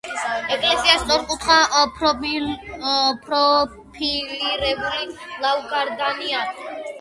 ეკლესიას სწორკუთხა პროფილირებული ლავგარდანი აქვს.